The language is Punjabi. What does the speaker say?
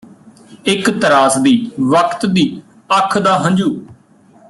ਇਕ ਤਰਾਸਦੀ ਵਕਤ ਦੀ ਅੱਖ ਦਾ ਹੰਝੂ